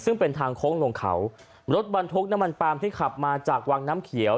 ซึ่งเป็นทางโค้งลงเขารถบรรทุกน้ำมันปลามที่ขับมาจากวังน้ำเขียว